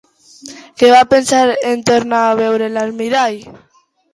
Què va pensar en tornar a veure l'almirall?